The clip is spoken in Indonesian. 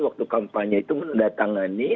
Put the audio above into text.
waktu kampanye itu mendatangani